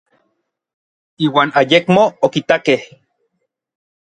Iuan ayekmo okitakej.